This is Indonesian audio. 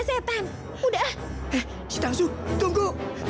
eh chitazu tunggu